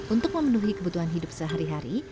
untuk memenuhi kebutuhan hidup sehari hari